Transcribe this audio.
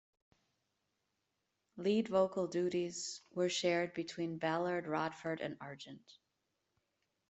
Lead vocal duties were shared between Ballard, Rodford and Argent.